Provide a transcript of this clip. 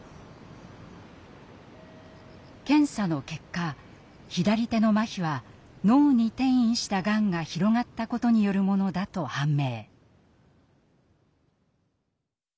検査の結果左手のまひは脳に転移したがんが広がったことによるものだと判明。